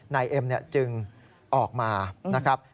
นายเอ็มจึงออกมานะครับ